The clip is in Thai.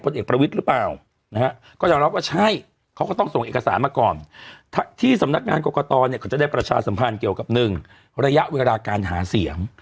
เดี๋ยวเขาจะได้ประชาสัมพันธ์เกี่ยวกับ๑ระยะเวลาการหาเสียง